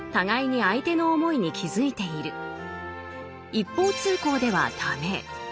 一方通行では駄目。